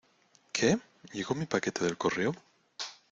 ¿ Qué? ¿ llego mi paquete del correo ?